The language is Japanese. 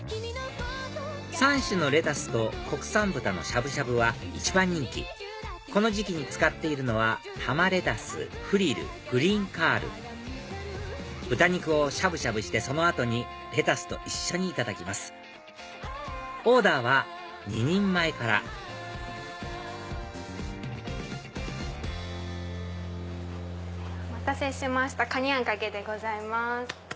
三種のレタスと国産豚のしゃぶしゃぶは一番人気この時期に使っているのは玉レタスフリルグリーンカール豚肉をしゃぶしゃぶしてその後にレタスと一緒にいただきますオーダーは２人前からお待たせしましたかにあんかけでございます。